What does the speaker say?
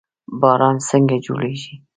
باران څنګه جوړیږي؟